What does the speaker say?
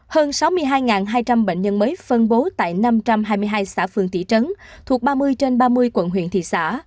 hơn sáu mươi hai hai trăm linh bệnh nhân mới phân bố tại năm trăm hai mươi hai xã phường thị trấn thuộc ba mươi trên ba mươi quận huyện thị xã